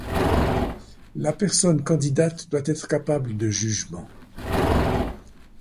La personne candidate doit être capable de jugement.